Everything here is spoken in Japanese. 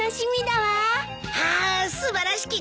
あ素晴らしき